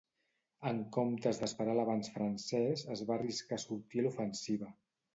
En comptes d'esperar l'avanç francès, es va arriscar a sortir a l'ofensiva.